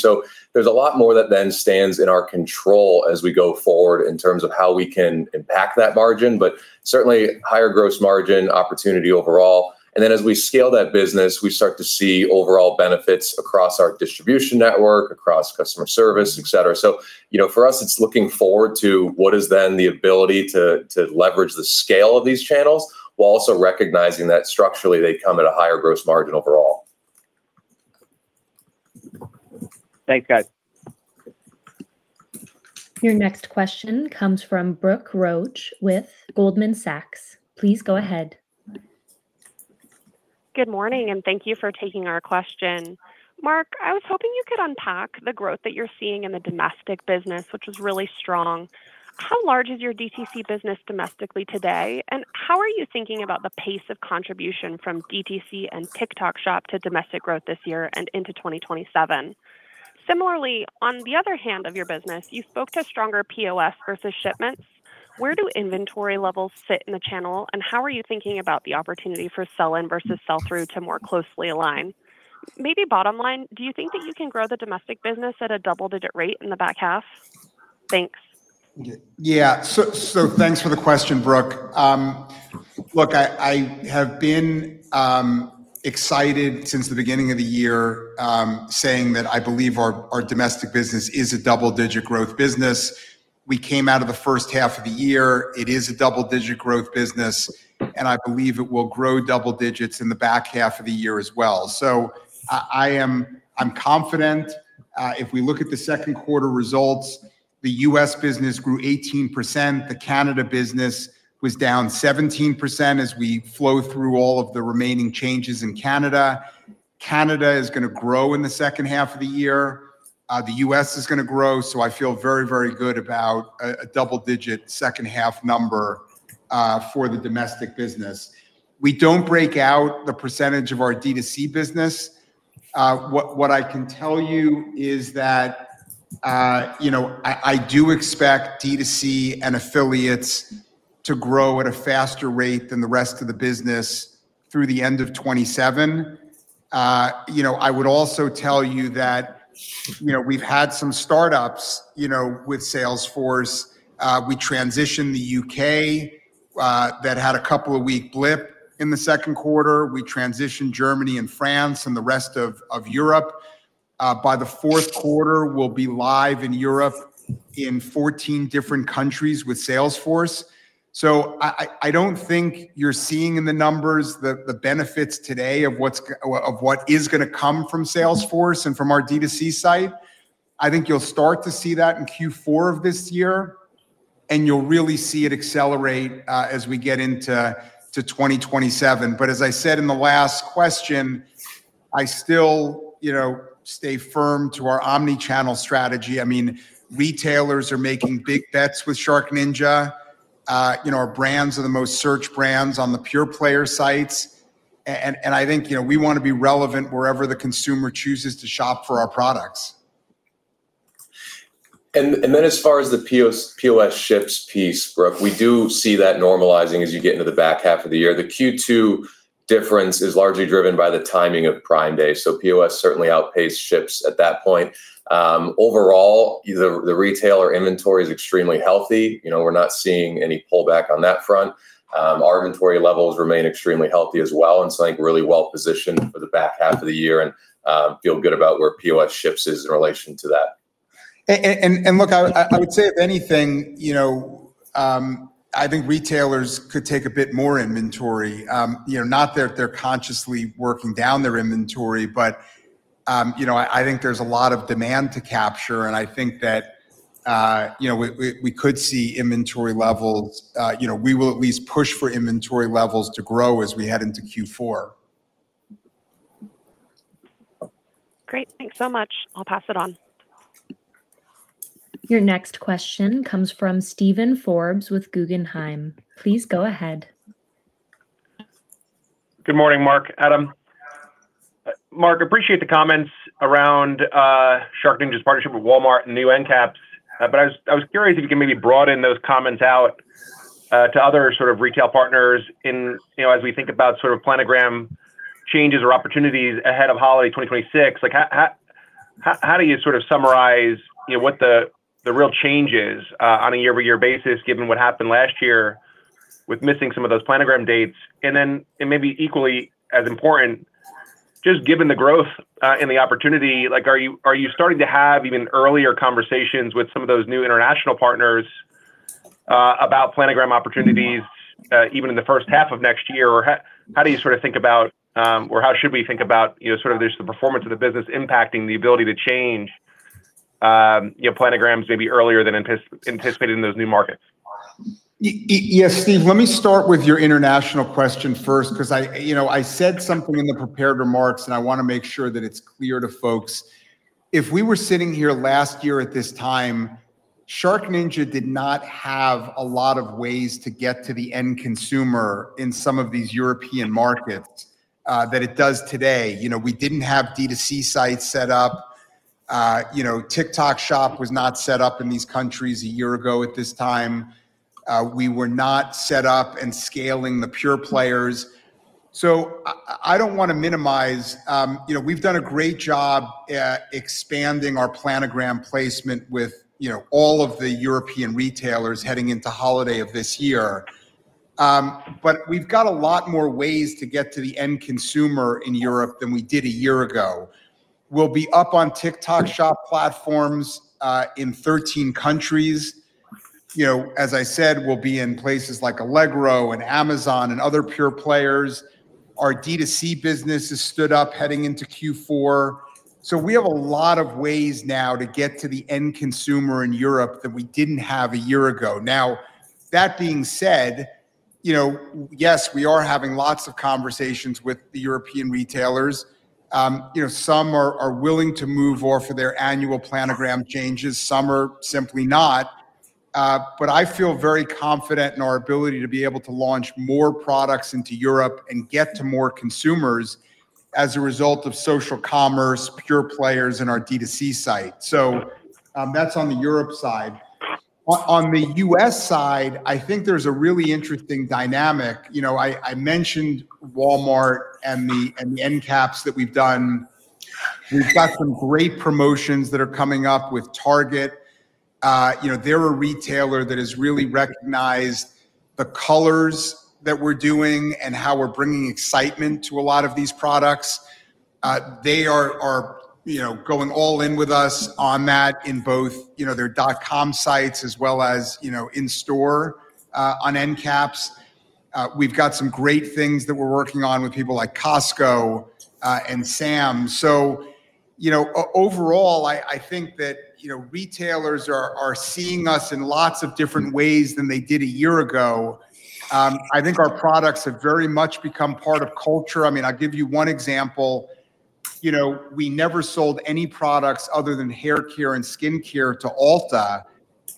There's a lot more that then stands in our control as we go forward in terms of how we can impact that margin. But certainly higher gross margin opportunity overall. And then as we scale that business, we start to see overall benefits across our distribution network, across customer service, et cetera. For us, it's looking forward to what is then the ability to leverage the scale of these channels, while also recognizing that structurally they come at a higher gross margin overall. Thanks, guys. Your next question comes from Brooke Roach with Goldman Sachs. Please go ahead. Good morning, thank you for taking our question. Mark, I was hoping you could unpack the growth that you're seeing in the domestic business, which was really strong. How large is your DTC business domestically today, and how are you thinking about the pace of contribution from DTC and TikTok Shop to domestic growth this year and into 2027? Similarly, on the other hand of your business, you spoke to stronger POS versus shipments. Where do inventory levels fit in the channel, and how are you thinking about the opportunity for sell-in versus sell-through to more closely align? Maybe bottom line, do you think that you can grow the domestic business at a double-digit rate in the back half? Thanks. Thanks for the question, Brooke. Look, I have been excited since the beginning of the year, saying that I believe our domestic business is a double-digit growth business. We came out of the first half of the year. It is a double-digit growth business, and I believe it will grow double digits in the back half of the year as well. I'm confident. If we look at the second quarter results, the U.S. business grew 18%, the Canada business was down 17% as we flow through all of the remaining changes in Canada. Canada is going to grow in the second half of the year. The U.S. is going to grow. I feel very, very good about a double-digit second half number for the domestic business. We don't break out the percentage of our D2C business. What I can tell you is that I do expect D2C and affiliates to grow at a faster rate than the rest of the business through the end of 2027. I would also tell you that we've had some startups with Salesforce. We transitioned the U.K. That had a couple of week blip in the second quarter. We transitioned Germany and France and the rest of Europe. By the fourth quarter, we'll be live in Europe in 14 different countries with Salesforce. I don't think you're seeing in the numbers the benefits today of what is going to come from Salesforce and from our D2C side. I think you'll start to see that in Q4 of this year, and you'll really see it accelerate as we get into 2027. As I said in the last question, I still stay firm to our omni-channel strategy. Retailers are making big bets with SharkNinja. Our brands are the most searched brands on the pure player sites. I think we want to be relevant wherever the consumer chooses to shop for our products. As far as the POS shifts piece, Brooke, we do see that normalizing as you get into the back half of the year. The Q2 difference is largely driven by the timing of Prime Day. POS certainly outpaced shifts at that point. Overall, the retailer inventory is extremely healthy. We're not seeing any pullback on that front. Our inventory levels remain extremely healthy as well. I think really well-positioned for the back half of the year and feel good about where POS shifts is in relation to that. Look, I would say if anything, I think retailers could take a bit more inventory. Not that they're consciously working down their inventory, but I think there's a lot of demand to capture. I think that we could see inventory levels. We will at least push for inventory levels to grow as we head into Q4. Great. Thanks so much. I'll pass it on. Your next question comes from Steven Forbes with Guggenheim. Please go ahead. Good morning, Mark, Adam. Mark, appreciate the comments around SharkNinja's partnership with Walmart and new end caps. I was curious if you can maybe broaden those comments out to other sort of retail partners, as we think about sort of planogram changes or opportunities ahead of holiday 2026. How do you sort of summarize what the real change is on a year-over-year basis, given what happened last year with missing some of those planogram dates? Maybe equally as important, just given the growth and the opportunity, are you starting to have even earlier conversations with some of those new international partners about planogram opportunities, even in the first half of next year? How do you think about, or how should we think about there's the performance of the business impacting the ability to change planograms maybe earlier than anticipated in those new markets? Yes, Steve, let me start with your international question first because I said something in the prepared remarks, and I want to make sure that it's clear to folks. If we were sitting here last year at this time, SharkNinja did not have a lot of ways to get to the end consumer in some of these European markets that it does today. We didn't have D2C sites set up. TikTok Shop was not set up in these countries a year ago at this time. We were not set up and scaling the pure players. I don't want to minimize. We've done a great job at expanding our planogram placement with all of the European retailers heading into holiday of this year. We've got a lot more ways to get to the end consumer in Europe than we did a year ago. We'll be up on TikTok Shop platforms in 13 countries. As I said, we'll be in places like Allegro and Amazon and other pure players. Our D2C business has stood up heading into Q4. We have a lot of ways now to get to the end consumer in Europe that we didn't have a year ago. Now, that being said, yes, we are having lots of conversations with the European retailers. Some are willing to move or for their annual planogram changes, some are simply not. I feel very confident in our ability to be able to launch more products into Europe and get to more consumers as a result of social commerce, pure players in our D2C site. That's on the Europe side. On the U.S. side, I think there's a really interesting dynamic. I mentioned Walmart and the end caps that we've done. We've got some great promotions that are coming up with Target. They're a retailer that has really recognized the colors that we're doing and how we're bringing excitement to a lot of these products. They are going all in with us on that in both their dotcom sites as well as in store on end caps. We've got some great things that we're working on with people like Costco and Sam's. Overall, I think that retailers are seeing us in lots of different ways than they did a year ago. I think our products have very much become part of culture. I mean, I'll give you one example. We never sold any products other than hair care and skin care to Ulta,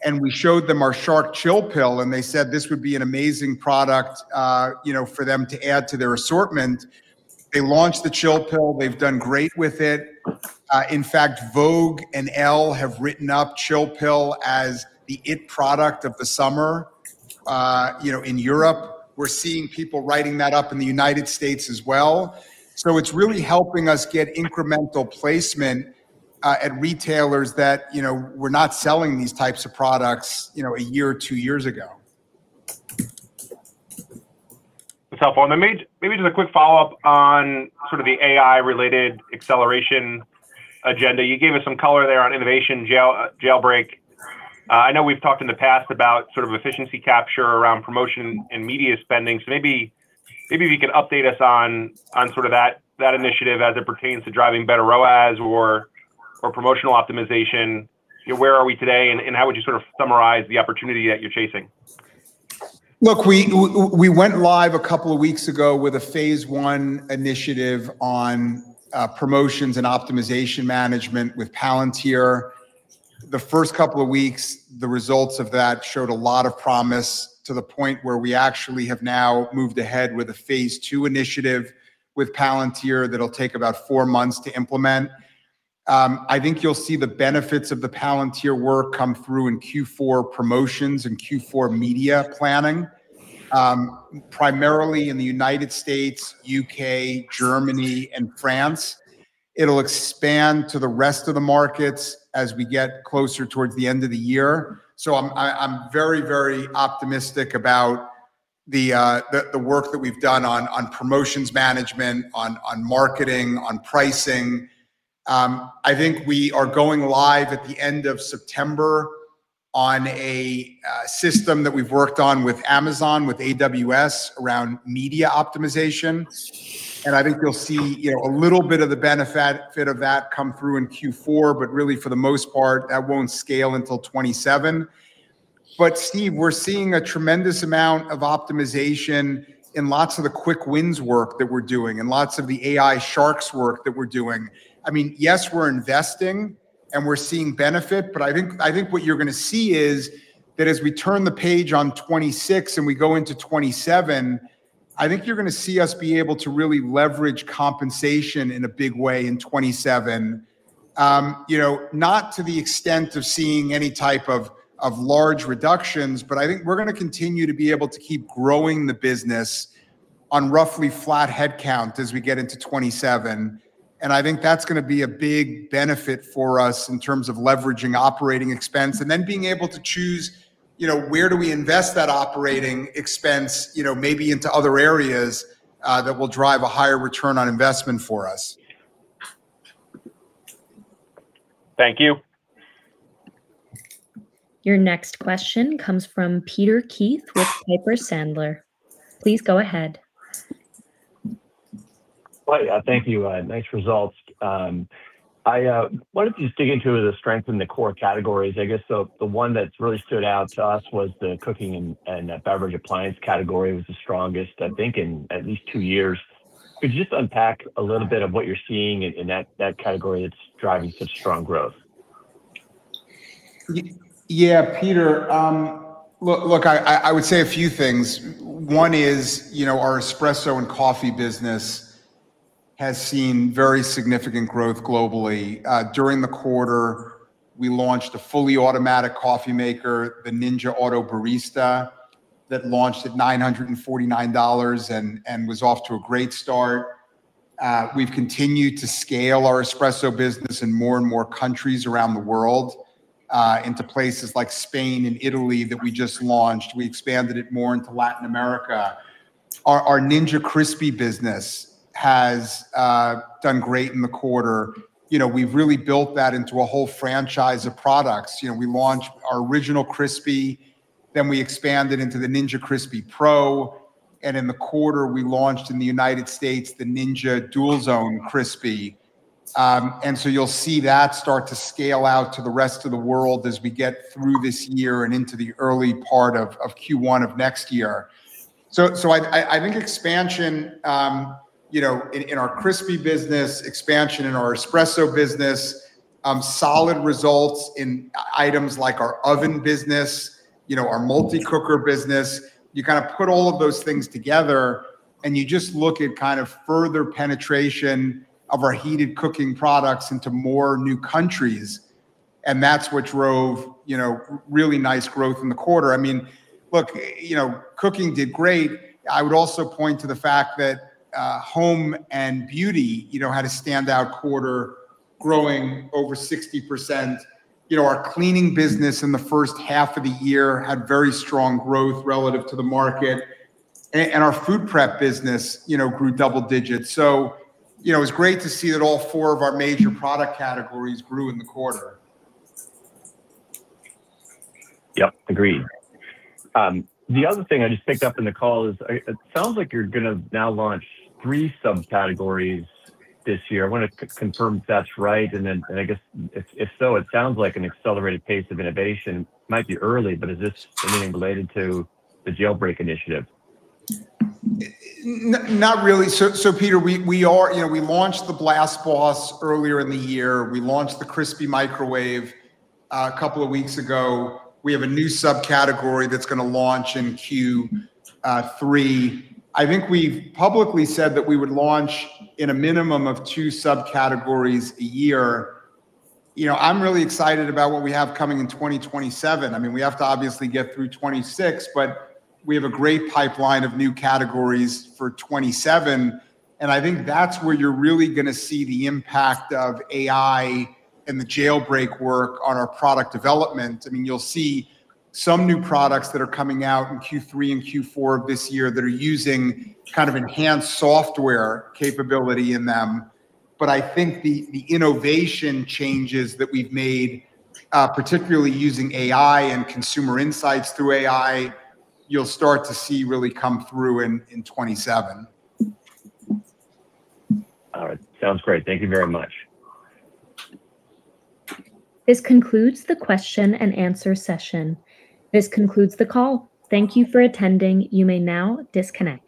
and we showed them our Shark ChillPill, and they said this would be an amazing product for them to add to their assortment. They launched the ChillPill. They've done great with it. In fact, Vogue and Elle have written up ChillPill as the it product of the summer, in Europe. We're seeing people writing that up in the U.S. as well. It's really helping us get incremental placement, at retailers that were not selling these types of products a year or two years ago. That's helpful. Maybe just a quick follow-up on sort of the AI-related acceleration agenda. You gave us some color there on innovation Jailbreak SharkNinja. I know we've talked in the past about sort of efficiency capture around promotion and media spending. Maybe you can update us on sort of that initiative as it pertains to driving better ROAS or promotional optimization. Where are we today, and how would you sort of summarize the opportunity that you're chasing? We went live a couple of weeks ago with a phase one initiative on promotions and optimization management with Palantir. The first couple of weeks, the results of that showed a lot of promise to the point where we actually have now moved ahead with a phase two initiative with Palantir that'll take about four months to implement. I think you'll see the benefits of the Palantir work come through in Q4 promotions and Q4 media planning, primarily in the United States, U.K., Germany, and France. It'll expand to the rest of the markets as we get closer towards the end of the year. I'm very optimistic about the work that we've done on promotions management, on marketing, on pricing. I think we are going live at the end of September on a system that we've worked on with Amazon, with AWS, around media optimization. I think you'll see a little bit of the benefit of that come through in Q4, but really for the most part, that won't scale until 2027. Steve, we're seeing a tremendous amount of optimization in lots of the quick wins work that we're doing, and lots of the AI/Sharks work that we're doing. We're investing and we're seeing benefit, but I think what you're going to see is that as we turn the page on 2026 and we go into 2027, I think you're going to see us be able to really leverage compensation in a big way in 2027. Not to the extent of seeing any type of large reductions, but I think we're going to continue to be able to keep growing the business on roughly flat headcount as we get into 2027. I think that's going to be a big benefit for us in terms of leveraging OpEx and being able to choose where do we invest that OpEx, maybe into other areas that will drive a higher ROI for us. Thank you. Your next question comes from Peter Keith with Piper Sandler. Please go ahead. Hi. Thank you. Nice results. I wondered if you'd dig into the strength in the core categories. I guess the one that's really stood out to us was the cooking and beverage appliance category was the strongest, I think, in at least two years. Could you just unpack a little bit of what you're seeing in that category that's driving such strong growth? Yeah, Peter. Look, I would say a few things. One is our espresso and coffee business has seen very significant growth globally. During the quarter, we launched a fully automatic coffee maker, the Ninja AutoBarista, that launched at $949 and was off to a great start. We've continued to scale our espresso business in more and more countries around the world, into places like Spain and Italy that we just launched. We expanded it more into Latin America. Our Ninja Crispi business has done great in the quarter. We've really built that into a whole franchise of products. We launched our original Crispi, then we expanded into the Ninja Crispi Pro, and in the quarter, we launched in the U.S. the Ninja DualZone Crispi. You'll see that start to scale out to the rest of the world as we get through this year and into the early part of Q1 of next year. I think expansion in our Crispi business, expansion in our espresso business, solid results in items like our oven business, our multi-cooker business. You kind of put all of those things together and you just look at kind of further penetration of our heated cooking products into more new countries, and that's what drove really nice growth in the quarter. Look, cooking did great. I would also point to the fact that home and beauty had a standout quarter, growing over 60%. Our cleaning business in the first half of the year had very strong growth relative to the market. Our food prep business grew double digits. It was great to see that all four of our major product categories grew in the quarter. Yep, agreed. The other thing I just picked up in the call is it sounds like you're going to now launch three subcategories this year. I want to confirm if that's right, and then I guess if so, it sounds like an accelerated pace of innovation. Might be early, but is this something related to the Jailbreak initiative? Not really. Peter, we launched the Ninja BlendBoss earlier in the year. We launched the Ninja Crispi Microwave a couple of weeks ago. We have a new subcategory that's going to launch in Q3. I think we've publicly said that we would launch in a minimum of two subcategories a year. I'm really excited about what we have coming in 2027. We have to obviously get through 2026, but we have a great pipeline of new categories for 2027, and I think that's where you're really going to see the impact of AI and the Jailbreak work on our product development. You'll see some new products that are coming out in Q3 and Q4 of this year that are using kind of enhanced software capability in them. I think the innovation changes that we've made, particularly using AI and consumer insights through AI, you'll start to see really come through in 2027. All right. Sounds great. Thank you very much. This concludes the question and answer session. This concludes the call. Thank you for attending. You may now disconnect.